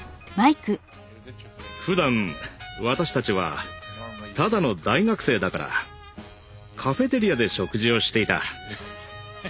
ふだん私たちはただの大学生だからカフェテリアで食事をしていた。